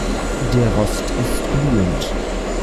Der Rost ist glühend.